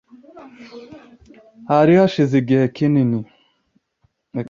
Hari hashize igihe kinini